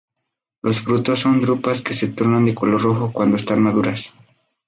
Los frutos son drupas que se tornan de color rojo cuando están maduras.